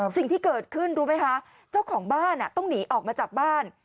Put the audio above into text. สิ่งที่เกิดขึ้นรู้ไหมคะเจ้าของบ้านต้องหนีออกมาจากบ้าน